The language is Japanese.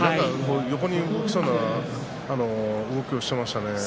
横に動きそうな動きをしていましたね。